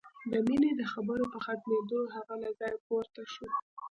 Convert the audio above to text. د مينې د خبرو په ختمېدو هغه له ځايه پورته شو.